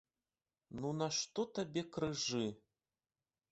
Ну нашто табе крыжы?